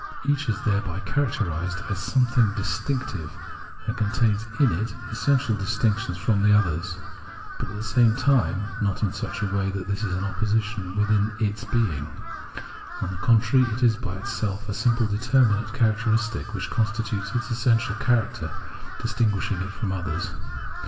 Each, however, is thereby characterised as a something dis tinctive, and contains in it essential distinction from the others ; but at the same time not in such a way that this is an opposition within its being ; on the con trary, it is by itself a simple determinate characteristic which constitutes its essential character, distinguishing it from others.